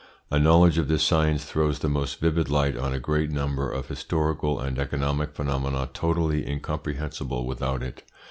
A knowledge of this science throws the most vivid light on a great number of historical and economic phenomena totally incomprehensible without it.